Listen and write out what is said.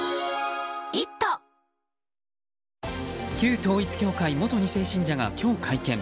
旧統一教会元２世信者が今日会見。